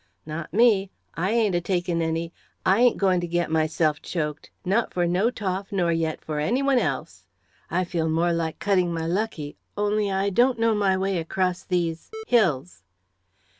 "Not me! I ain't a taking any! I ain't going to get myself choked, not for no Toff, nor yet for any one else. I feel more like cutting my lucky only I don't know my way across these hills."